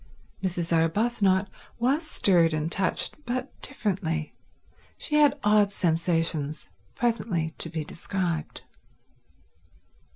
Mrs. Arbuthnot was stirred and touched, but differently. She had odd sensations—presently to be described.